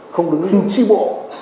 không đứng chi bộ